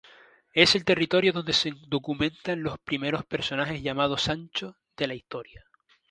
Es el territorio donde se documentan los primeros personajes llamados Sancho de la historia.